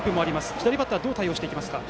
左バッターはどう対応していきますか。